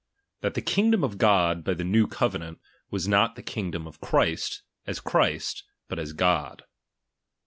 That the kingdom of God by the new covenant, was not the kingdom of Christ, as Christ, but aa God.